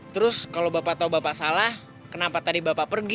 terus kalau bapak tahu bapak salah kenapa tadi bapak pergi